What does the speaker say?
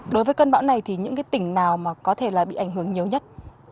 đối với cơn bão này thì những tỉnh nào có thể bị ảnh hưởng nhiều nhất